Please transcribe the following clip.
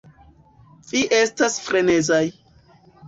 Vi estas frenezaj!